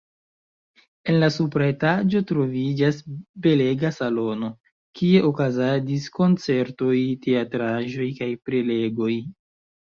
En la supra etaĝo troviĝas belega salono, kie okazadis koncertoj, teatraĵoj kaj prelegoj.